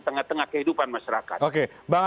tengah tengah kehidupan masyarakat